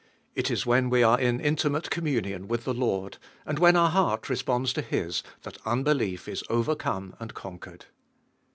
It is when we are ih intimate communion with the Lord, and when our heart responds to His, that unbelief is overcome and con quered.